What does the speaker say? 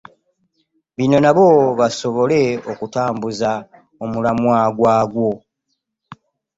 Bano nabo basobole okutambuza omulamwa gwagwo.